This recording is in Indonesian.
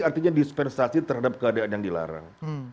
artinya dispensasi terhadap keadaan yang dilarang